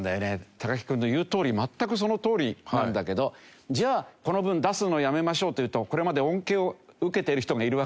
隆貴君の言うとおり全くそのとおりなんだけどじゃあこの分出すのやめましょうというとこれまで恩恵を受けている人がいるわけでしょ。